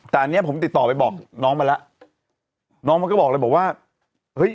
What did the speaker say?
แต่อันนี้ผมติดต่อไปบอกน้องมาแล้วน้องมันก็บอกเลยบอกว่าเฮ้ย